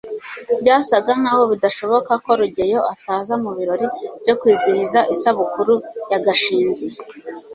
byasaga nkaho bidashoboka ko rugeyo ataza mu birori byo kwizihiza isabukuru ya gashinzi